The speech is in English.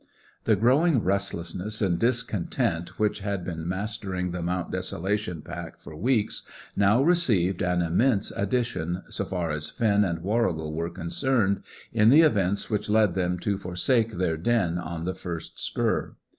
The growing restlessness and discontent which had been mastering the Mount Desolation pack for weeks now received an immense addition, so far as Finn and Warrigal were concerned, in the events which led them to forsake their den on the first spur.